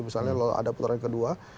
misalnya ada putaran kedua